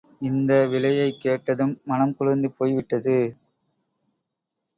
இந்த விலையைக் கேட்டதும், மனங்குளிர்ந்து போய் விட்டது.